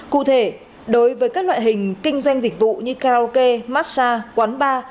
cụ thể đối với các loại hình kinh doanh dịch vụ như karaoke massage quán bar